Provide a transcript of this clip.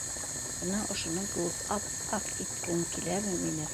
- Бына ошоноң кеүек ап-аҡ иткең киләме мине?